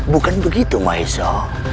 bukan begitu maesha